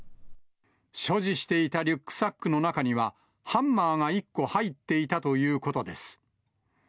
所持していたリュックサックの中には、ハンマーが１個入っていたということです。